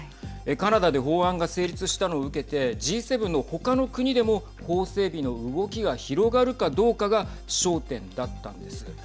カナダで法案が成立したのを受けてＧ７のほかの国でも法整備の動きが広がるかどうかが焦点だったんです。